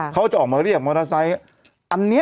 เขาจะออกมาเรียกมอเตอร์ไซ